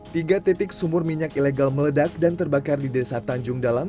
tiga titik sumur minyak ilegal meledak dan terbakar di desa tanjung dalam